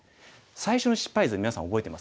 最初の失敗図みなさん覚えてますか？